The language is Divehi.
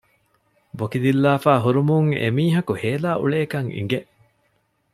ބޮކި ދިއްލާފައި ހުރުމުން އެމީހަކު ހޭލާ އުޅޭކަން އިނގެ